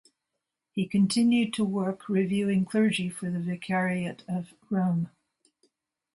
He continued to work reviewing clergy for the Vicariate of Rome.